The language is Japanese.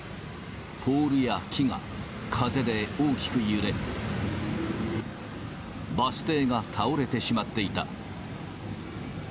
ポールや木が風で大きく揺れ、バス停が倒れてしまっていた。